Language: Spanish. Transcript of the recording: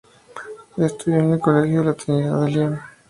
Estudió en el Colegio de la Trinidad de Lyon.